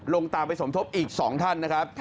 ตามไปสมทบอีก๒ท่านนะครับ